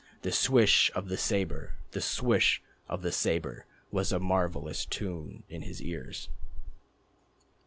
The swish of the sabre, The swish of the sabre, Was a marvellous tune in his ears.